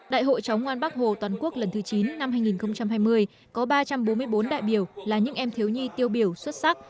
đại hội chóng ngoan bắc hồ toàn quốc lần thứ chín năm hai nghìn hai mươi có ba trăm bốn mươi bốn đại biểu là những em thiếu nhi tiêu biểu xuất sắc